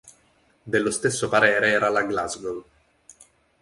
Dello stesso parere era la Glasgow.